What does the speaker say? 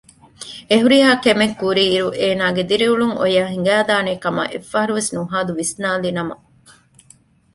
އެހުރިހާ ކެމެއްކުރިއިރު އޭނާގެ ދިރިއުޅުން އޮޔާ ހިނގައިދާނޭކަމަށް އެއްފަހަރުވެސް ނުހާދު ވިސްނާލިނަމަ